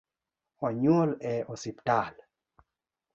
Onyuol e osiptal